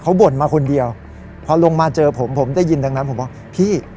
เขาบ่นมาคนเดียวพอลงมาเจอผมผมได้ยินดังนั้นผมบอกพี่